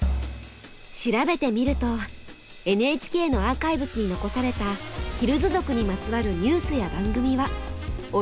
調べてみるとＮＨＫのアーカイブスに残されたヒルズ族にまつわるニュースや番組はおよそ１５時間。